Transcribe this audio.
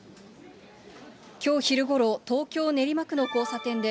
きょう昼ごろ、東京・練馬区の交差点で、